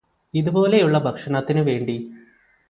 ഇതുപോലെയുള്ള ഭക്ഷണത്തിന് വേണ്ടി